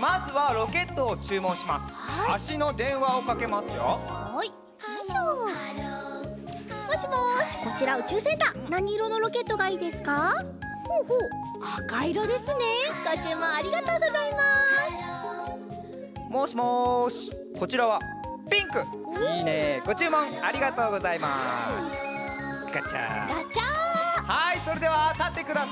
はいそれではたってください。